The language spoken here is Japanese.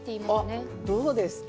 どうですか。